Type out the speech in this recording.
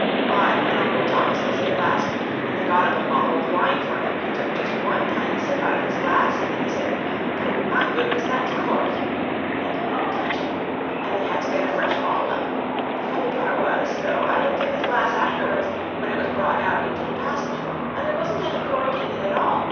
Why, when Uncle Thomas was here last, and they got up a bottle of wine for him, he took just one tiny sip out of his glass, and then he said, 'Poo, my goodness, that's corked!' And he wouldn't touch it. And they had to get a fresh bottle up. The funny part was, though, I looked in his glass afterwards, when it was brought out into the passage, and there wasn't any cork in it at all!